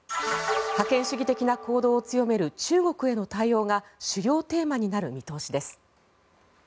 覇権主義的な行動を強める中国への対応が主要テーマになる見通しです。